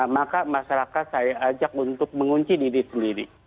maka masyarakat saya ajak untuk mengunci diri sendiri